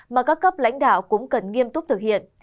mà các cấp lãnh đạo cũng cần nghiêm túc thực hiện